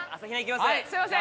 すいません。